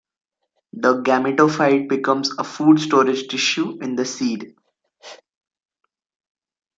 The gametophyte becomes a food storage tissue in the seed.